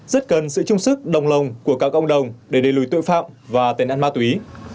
rất cần sự chung sức đồng lòng của các cộng đồng để đẩy lùi tội phạm và tên ăn ma túy